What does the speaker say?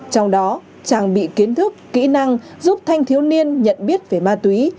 trong đó trang bị kiến thức kỹ năng giúp thanh thiếu niên nhận biết về ma túy